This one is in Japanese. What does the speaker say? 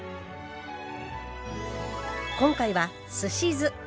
今回はすし酢。